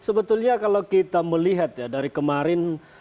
sebetulnya kalau kita melihat ya dari kemarin